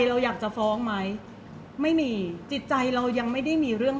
เพราะว่าสิ่งเหล่านี้มันเป็นสิ่งที่ไม่มีพยาน